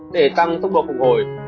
để tăng tốc độ phục hồi